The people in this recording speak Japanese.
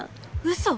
うそ！